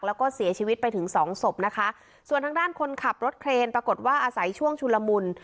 แล้วก็เสียชีวิตไปถึงสองศพนะคะส่วนทางด้านคนขับรถเครนปรากฏว่าอาศัยช่วงชุลมุน